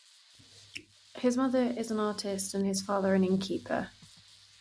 His mother is an artist and his father an inn keeper.